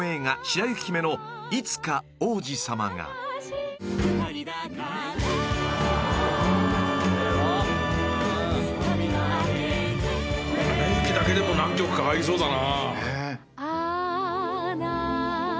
『アナ雪』だけでも何曲か入りそうだな。